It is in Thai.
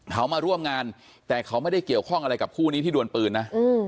เขามาร่วมงานแต่เขาไม่ได้เกี่ยวข้องอะไรกับคู่นี้ที่ดวนปืนนะ